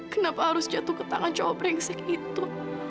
kenapa harus jatuh ke tangan cowok brengsek itu